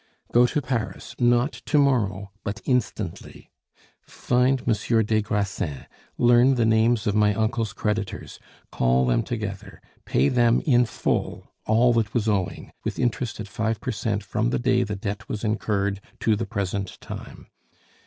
"Go to Paris, not to morrow, but instantly. Find Monsieur des Grassins, learn the names of my uncle's creditors, call them together, pay them in full all that was owing, with interest at five per cent from the day the debt was incurred to the present time.